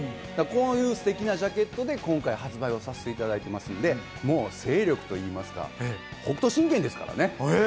こういうステキなジャケットで今回発売させていただきますので、もう精力と言いますか、北斗神拳ですからね。